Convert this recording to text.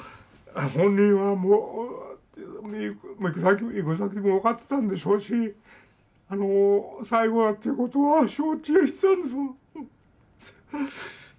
本人はもう行く先も分かってたんでしょうしあの最後だっていうことは承知してたんですもん。